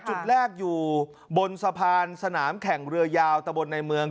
จุดแรกอยู่บนสะพานสนามแข่งเรือยาวตะบนในเมือง